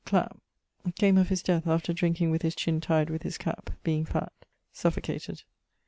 Clap. Came of his death after drinking with his chin tyed with his cap (being fatt); suffocated.